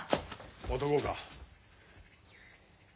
男か。